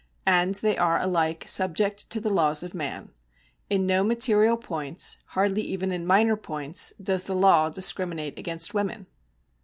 And they are alike subject to the laws of man; in no material points, hardly even in minor points, does the law discriminate against women.